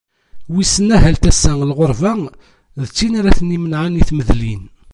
Wissen ahat ass-a lɣerba d tin ara ten-imenɛen i tmedlin.